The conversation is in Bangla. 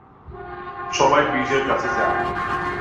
সবাই ব্রিজের কাছে যান!